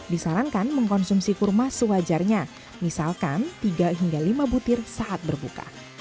disarankan mengkonsumsi kurma sewajarnya misalkan tiga hingga lima butir saat berbuka